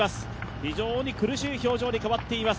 非常に苦しい表情に変わっています。